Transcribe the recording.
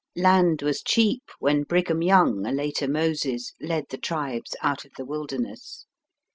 Land was cheap when Brigham Young, a later Moses, led the tribes out of the wilderness.